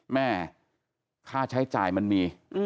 แม่ค่าใช้จ่ายมันมี